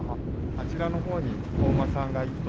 あちらの方にお馬さんが１頭。